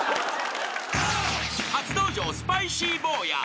［初登場スパイシー坊や］